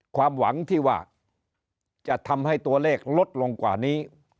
ความหวังที่ว่าจะทำให้ตัวเลขลดลงกว่านี้